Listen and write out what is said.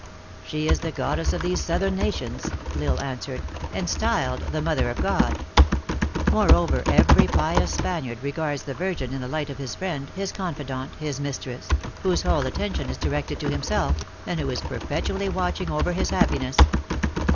" She is the goddess of these southern nations," L Isle answered ;" and styled the Mother of God. THE ACTEESS IN HIGH LIFE. 291 Moreover, every pious Spaniard regards the Virgin in the light of his friend, his confidante, his mistress, whose whole attention is directed to hirflself, and who is perpetually watching over his happiness.